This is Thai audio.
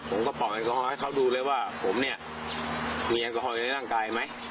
ผมก็ปล่อยให้เขาดูเลยว่าผมเนี่ยมีแอลกอฮอลอยู่ในร่างกายไหม